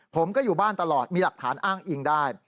ผมก็อยู่บ้านตลอดมีหลักฐานอ้างอิงได้